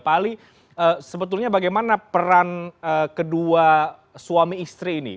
pak ali sebetulnya bagaimana peran kedua suami istri ini